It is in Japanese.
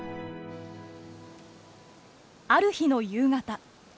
ある日の夕方。